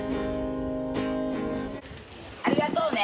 ありがとうね。